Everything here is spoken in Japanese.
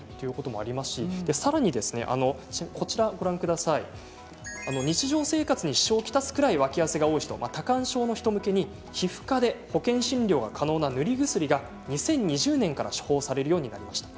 さらに、日常生活に支障を来すくらいワキ汗が多い人多汗症の人向けに皮膚科で保険診療が可能な塗り薬が２０２０年から処方されるようになりました。